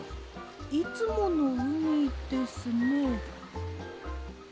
いつものうみですね。